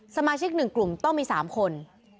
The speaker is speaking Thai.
สมาชิก๑กลุ่มต้องมี๓คน